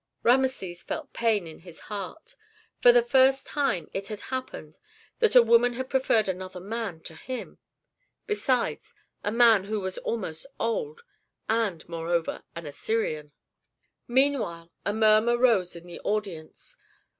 Rameses felt pain in his heart. For the first time it had happened that a woman had preferred another man to him; besides, a man who was almost old, and, moreover, an Assyrian. Meanwhile a murmur rose in the audience.